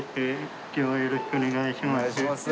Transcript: よろしくお願いします。